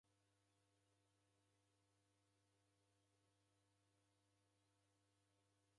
Mburi yapo yadafunya mariw'a lita iw'i.